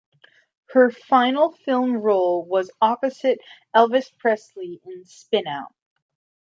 Her final film role was opposite Elvis Presley in "Spinout".